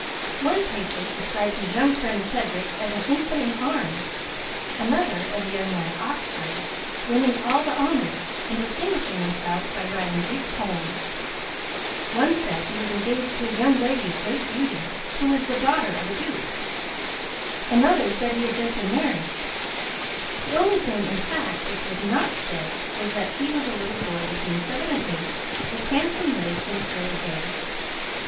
One paper described his young friend Cedric as an infant in arms, another as a young man at Oxford, winning all the honors, and distinguishing himself by writing Greek poems; one said he was engaged to a young lady of great beauty, who was the daughter of a duke; another said he had just been married; the only thing, in fact, which was NOT said was that he was a little boy between seven and eight, with handsome legs and curly hair.